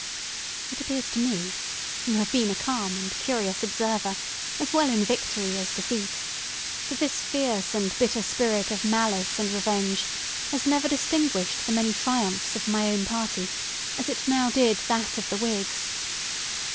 It appears to me—who have been a calm and curious observer, as well in victory as defeat—that this fierce and bitter spirit of malice and revenge has never distinguished the many triumphs of my own party as it now did that of the Whigs.